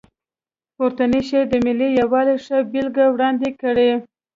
پورتنی شعر د ملي یووالي ښه بېلګه وړاندې کړې.